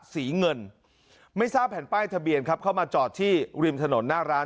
สีเงินไม่ทราบแผ่นป้ายทะเบียนครับเข้ามาจอดที่ริมถนนหน้าร้าน